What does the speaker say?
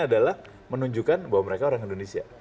adalah menunjukkan bahwa mereka orang indonesia